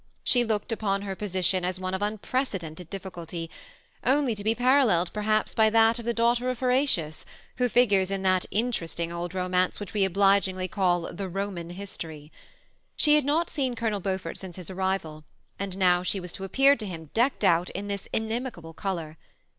She looked upon her position as one of unprecedented difficulty, only to be paralleled, perhaps, by that of the daughter of Horar THE SEMI ATTACHED COUPLE. 267 tius, who f gures in that interesting old romance which we obligingly call the Roman history. She had not seen Colonel Beaufort since his arrival, and now she was to appear to him, decked oat in this inimical color.